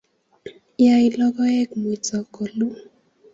Yaei logoek muito koluu